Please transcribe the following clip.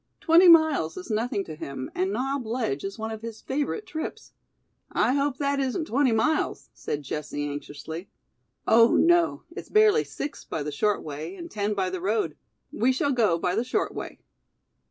Twenty miles is nothing to him and Knob Ledge is one of his favorite trips." "I hope that isn't twenty miles," said Jessie anxiously. "Oh, no, it's barely six by the short way and ten by the road. We shall go by the short way."